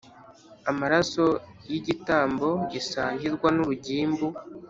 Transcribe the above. amaraso y’igitambo gisangirwa n’urugimbu